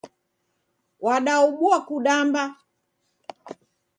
Wadaobua kudamba.